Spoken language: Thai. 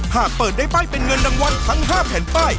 หากเปิดได้ป้ายเป็นเงินรางวัลทั้ง๕แผ่นป้าย